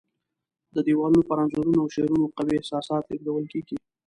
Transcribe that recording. د دیوالونو پر انځورونو او شعرونو قوي احساسات لېږدول کېږي.